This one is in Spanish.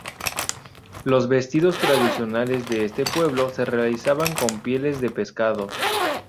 Los vestidos tradicionales de este pueblo se realizaban con pieles de pescado.